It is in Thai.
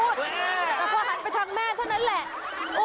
แต่พอหันไปทางแม่เท่านั้นแหละ